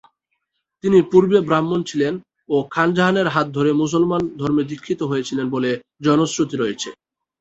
তিনি পূর্বে ব্রাহ্মণ ছিলেন ও খান জাহানের হাত ধরে মুসলমান ধর্মে দীক্ষিত হয়েছিলেন বলে জনশ্রুতি রয়েছে।